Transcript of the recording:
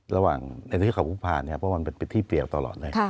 ระหว่างในที่เขาพูดภาพเนี่ยมันเป็นพื้นที่เปรียบตลอดเลย